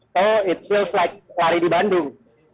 so it feels like lari di bandung